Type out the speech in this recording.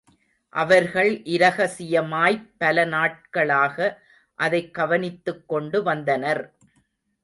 அவர்கள் இரகசியமாய்ப் பல நாட்களாக அதைக் கவனித்துக் கொண்டு வந்தனர்.